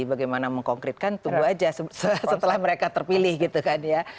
bagaimana mengkonkretkan tunggu aja setelah mereka terpilih gitu kan ya